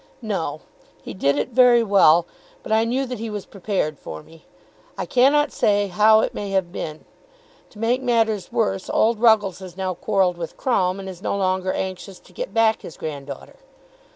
"No; he did it very well, but I knew that he was prepared for me. I cannot say how it may have been. To make matters worse old Ruggles has now quarrelled with Crumb, and is no longer anxious to get back his granddaughter.